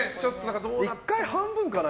１回、半分かな。